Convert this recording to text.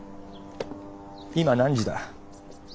今何時だ？